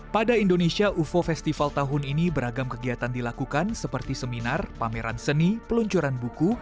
pada indonesia ufo festival tahun ini beragam kegiatan dilakukan seperti seminar pameran seni peluncuran buku